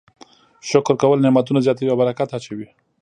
شکر کول نعمتونه زیاتوي او برکت اچوي.